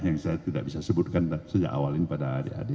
yang saya tidak bisa sebutkan sejak awal ini pada adik adik